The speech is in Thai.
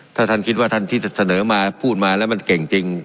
ถ้าท่านคิดว่าท่านที่เสนอมาพูดมาแล้วมันเก่งจริง